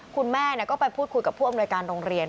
คุณแม่ก็ไปพูดคุยกับผู้อำนวยการโรงเรียน